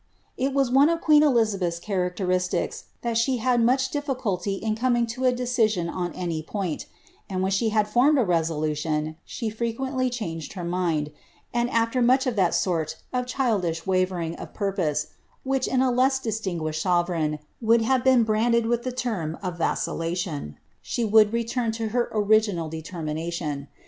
' It was one of queen Elizabeth's characteristics, that she had much liii Rcuhy in coming lo a decision on any point; aud wlien she liaii luraifJ a resolution, she frequently changed her mind, and, alWr much of dut sort of childish wavering of purpose, which, in a less distingubhed fort reign, would have been branded with the term of vacillation, she would return to her original determination.